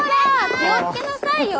気を付けなさいよ！